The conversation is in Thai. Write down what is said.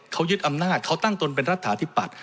เขายึดอำนาจเขาตั้งตนเป็นรัฐธาตุที่ปัด